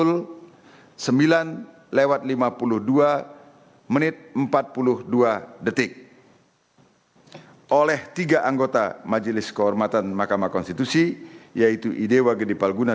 oleh tiga anggota majelis kehormatan mahkamah konstitusi yaitu idewa gede palguna sebagai ketua merangkap anggota ridwan mansur sebagai sekretaris merangkap anggota